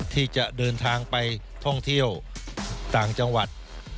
ที่จะเดินทางไปท่องเที่ยวต่างจังหวัด